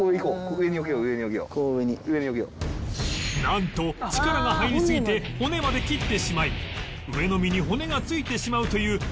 なんと力が入りすぎて骨まで切ってしまい上の身に骨が付いてしまうという痛恨のミス